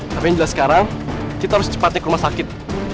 tapi yang jelas sekarang kita harus cepatnya ke rumah sakit